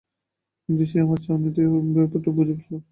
কিন্তু সে আমার চাউনি থেকেই ব্যাপারটা বুঝে ফেলল।